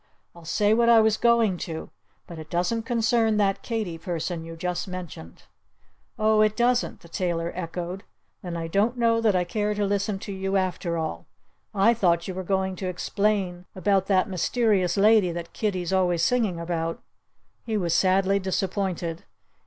"I'll say what I was going to; but it doesn't concern that Katy person you just mentioned." "Oh, it doesn't," the tailor echoed. "Then I don't know that I care to listen to you, after all. I thought you were going to explain about that mysterious lady that Kiddie's always singing about." He was sadly disappointed.